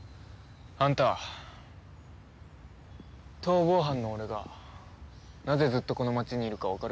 あんた逃亡犯の俺がなぜずっとこの街にいるかわかるか？